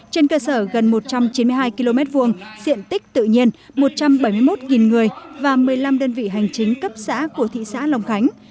trên cơ sở gần một trăm chín mươi hai km hai diện tích tự nhiên một trăm bảy mươi một người và một mươi năm đơn vị hành chính cấp xã của thị xã long khánh